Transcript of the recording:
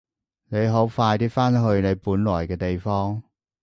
你好快啲返去你本來嘅地方！